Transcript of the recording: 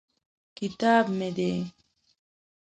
کتاب مې دی.